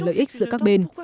lợi ích giữa các bên